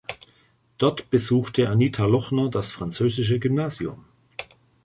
Dort besuchte Anita Lochner das Französische Gymnasium.